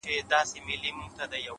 پرمختګ له دوامداره هڅې زېږي’